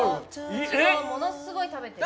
いちごものすごい食べてる。